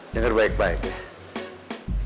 dengar baik baik ya